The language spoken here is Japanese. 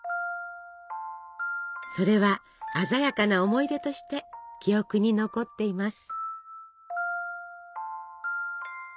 それは鮮やかな思い出として記憶に残っています。